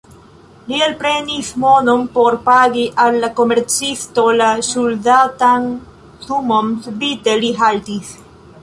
Li elprenis monon, por pagi al la komercisto la ŝuldatan sumon, subite li haltis.